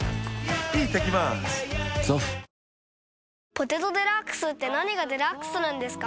「ポテトデラックス」って何がデラックスなんですか？